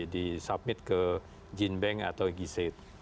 di submit ke gene bank atau g safe